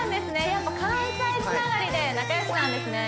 やっぱ関西つながりで仲よしなんですね